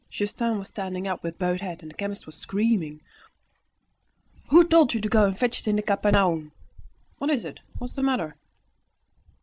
Justin was standing up with bowed head, and the chemist was screaming "Who told you to go and fetch it in the Capharnaum." "What is it? What is the matter?"